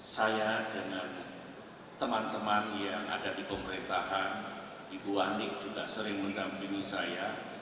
saya dengan teman teman yang ada di pemerintahan ibu ani juga sering menggampingi saya